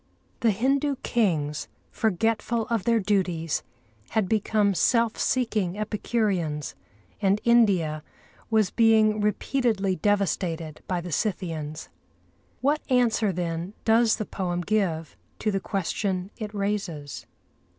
The Hindu kings, forgetful of their duties, had become self seeking epicureans, and India was being repeatedly devastated by the Scythians. What answer, then, does the poem give to the question it raises?